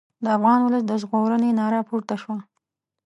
د افغان ولس د ژغورنې ناره پورته شوه.